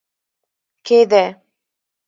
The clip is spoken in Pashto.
کې دی